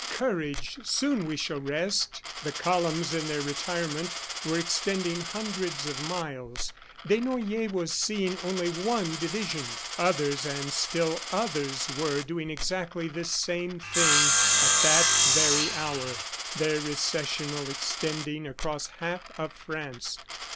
Courage! Soon we shall rest!" The columns in their retirement were extending hundreds of miles. Desnoyers was seeing only one division. Others and still others were doing exactly this same thing at that very hour, their recessional extending across half of France.